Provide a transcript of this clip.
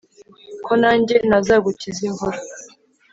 ko nanjye nazagukiza imvura!"